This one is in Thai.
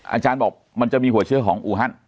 อาจารย์บอกมันจะมีหัวเชื้อของอูฮัน